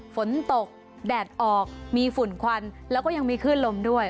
ฝนตกแดดออกมีฝุ่นควันแล้วก็ยังมีคลื่นลมด้วย